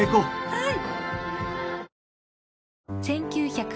はい。